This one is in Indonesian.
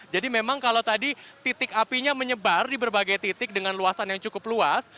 jadi memang kalau tadi titik apinya menyebar di berbagai titik dengan luasan yang cukup luas